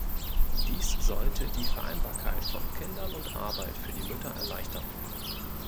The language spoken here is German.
Dies sollte die Vereinbarkeit von Kindern und Arbeit für die Mütter erleichtern.